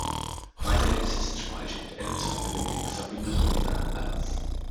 Weiterhin besitzen Speiche und Elle zwei gelenkige Verbindungen miteinander.